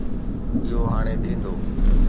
اهو هاڻي ٿيندو